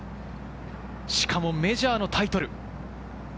しかもメジャーのタイトル。